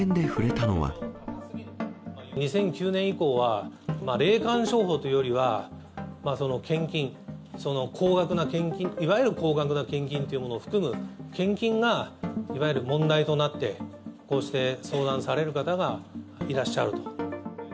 ２００９年以降は、霊感商法というよりは、献金、高額な、いわゆる高額な献金というものを含む献金が、いわゆる問題となって、こうして相談される方がいらっしゃると。